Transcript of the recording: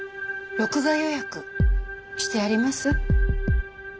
録画予約してあります？